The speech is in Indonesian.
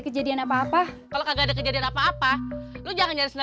kejadian apa apa kalau enggak ada kejadian apa apa lu jangan nyari rumah gua